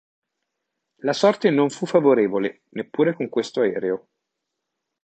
La sorte non fu favorevole neppure con questo aereo.